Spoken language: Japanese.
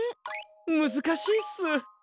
むずかしいっす。